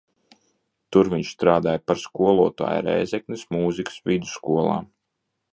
Tur viņš strādāja par skolotāju Rēzeknes mūzikas vidusskolā.